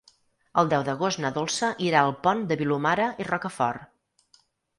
El deu d'agost na Dolça irà al Pont de Vilomara i Rocafort.